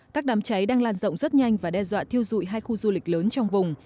các đám cháy đang lan rộng rất nhanh và đe dọa thiêu dụi hai khu du lịch lớn trong vùng